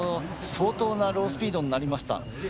相当なロースピードになりました。